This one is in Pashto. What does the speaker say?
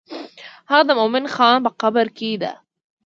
هغه د مومن خان په قبر کې ده.